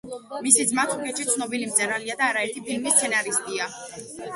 მისი ძმა თურქეთში ცნობილი მწერალია და არა ერთი ფილმის სცენარისტია.